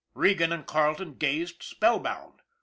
Regan and Carleton gazed spellbound.